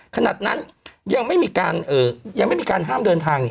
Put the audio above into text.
ขนาดนั้นยังไม่มีการยังไม่มีการห้ามเดินทาง